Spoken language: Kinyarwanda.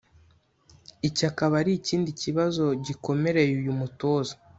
iki akaba ari ikindi kibazo gikomereye uyu mutoza